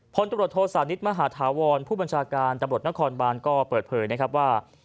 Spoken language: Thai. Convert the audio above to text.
พนตรศนิษฐ์มหาธาวรผู้บัญชาการตำรวจนครบาลก็เปิดเผยว่า